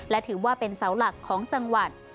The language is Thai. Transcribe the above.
และถือว่าเป็นเสาหลักของจังหวัด